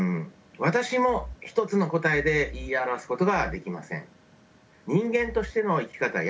私も一つの答えで言い表すことができません。